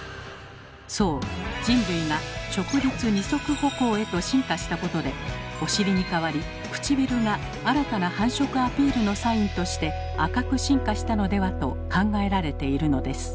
そう人類が直立二足歩行へと進化したことでお尻に代わりくちびるが新たな繁殖アピールのサインとして赤く進化したのではと考えられているのです。